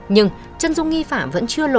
nhưng chân dung nghi phạm vẫn chưa lộ